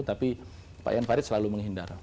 tapi pak ian farid selalu menghindar